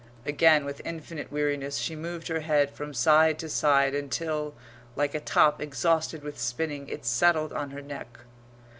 Again with infinite weariness she moved her head from side to side until, like a top exhausted with spinning, it settled on her neck.